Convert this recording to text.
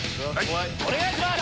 お願いします！